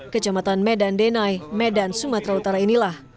kecamatan medan denai medan sumatera utara inilah